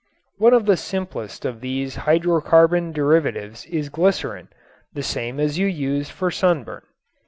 One of the simplest of these hydrocarbon derivatives is glycerin, the same as you use for sunburn.